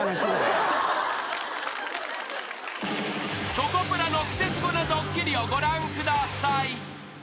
［チョコプラのクセスゴなドッキリをご覧ください］